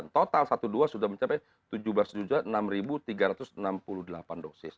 total satu dua sudah mencapai tujuh belas enam tiga ratus enam puluh delapan dosis